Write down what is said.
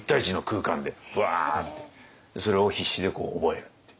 それを必死でこう覚えるっていう。